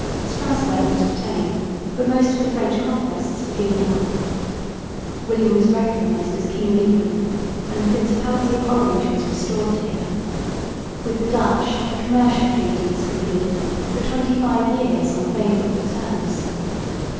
Strasburg was retained, but most of the French conquests were given up. William was recognised as King of England, and the Principality of Orange was restored to him. With the Dutch a commercial treaty was concluded for twenty five years on favourable terms.